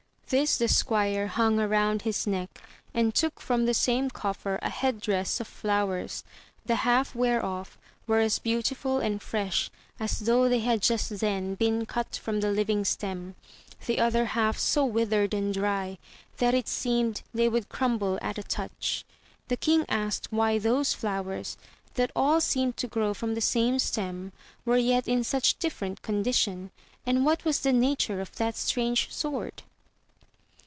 This the squire hung round his neck, and took from the same cofEer a head dress of flowers, the half whereof were as beautiful and fresh as though they had just then been cut from the living stem ; the other half so withered and dry, that it seemed they would crumble at a touch. The king asked why those flowers, that all seemed to grow from the same stem, were yet in such different condition, and what was the nature of that strange sword